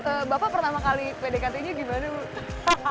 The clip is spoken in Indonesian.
bapak pertama kali pdkt nya gimana bu